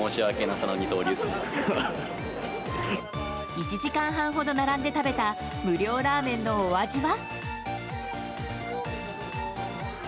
１時間半ほど並んで食べた無料ラーメンのお味は？